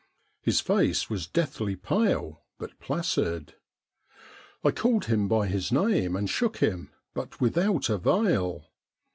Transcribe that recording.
His face was deathly pale but placid. I called him by his name and shook him, but without avail.